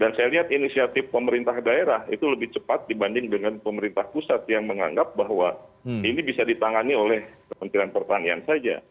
dan saya lihat inisiatif pemerintah daerah itu lebih cepat dibanding dengan pemerintah pusat yang menganggap bahwa ini bisa ditangani oleh kementerian pertanian saja